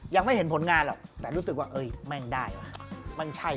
ยังไม่เห็นผลงานหรอกแต่รู้สึกว่าเอ้ยแม่งได้ว่ะ